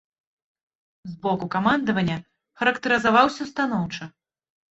З боку камандавання характарызаваўся станоўча.